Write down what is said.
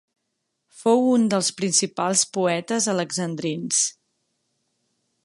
Fou un dels principals poetes alexandrins.